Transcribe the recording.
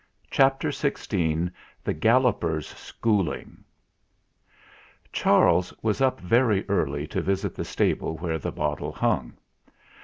CHAPTER XVI THE GALLOPER'S SCHOOLING Charles was up very early to visit the stable where the bottle hung.